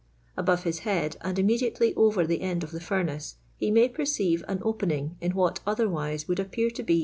Above his head, and immediately oTer the end of the furnace, he may perceive an opening in what otherwise would appear to be.